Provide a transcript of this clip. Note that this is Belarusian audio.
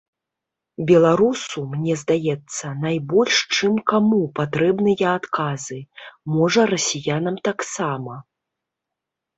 Беларусу, мне здаецца, найбольш чым каму патрэбныя адказы, можа расіянам таксама.